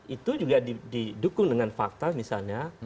itu juga didukung dengan fakta misalnya